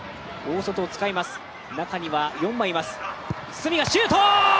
角がシュート！